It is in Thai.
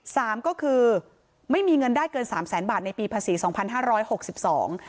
สามก็คือไม่มีเงินได้เกินสามแสนบาทในปีภาษีสองพันห้าร้อยหกสิบสอง